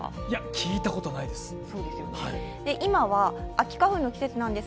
聞いたことないです。